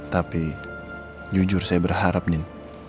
tapi jujur saya berharap nih